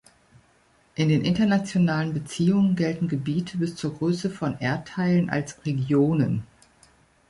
In den Internationalen Beziehungen gelten Gebiete bis zur Größe von Erdteilen als „Regionen“.